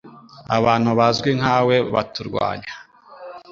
abantu bazwi nkawe baturwanya